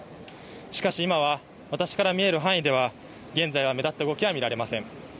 しかし今は私から見える範囲では現在は目立った動きは見られません。